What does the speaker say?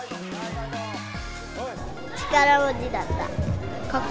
力持ちだった。